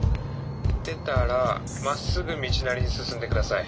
出たらまっすぐ道なりに進んで下さい。